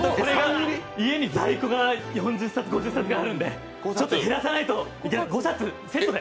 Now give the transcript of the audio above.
家に在庫が４０冊、５０冊ぐらいあるのでちょっと減らさないといけないので。